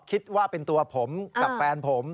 คิดว่าเป็นตัวผมกับแฟนผม